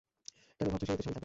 কেন ভাবছ সে এতে শামিল থাকবে না?